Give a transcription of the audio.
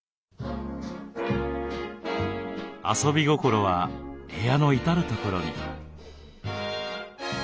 遊び心は部屋の至るところに。